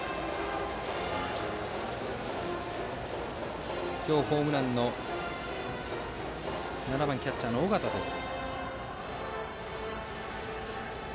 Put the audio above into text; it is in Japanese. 打席には今日、ホームランの７番キャッチャー、尾形です。